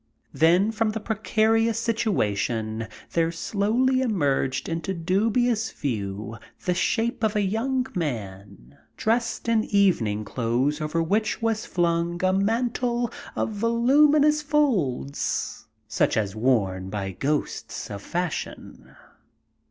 Then from the precarious situation there slowly emerged into dubious view the shape of a young man dressed in evening clothes over which was flung a mantle of voluminous folds such as is worn by ghosts of fashion.